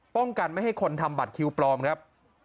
ป้องกันไม่ให้คนทำบัตรคิวปลอมครับ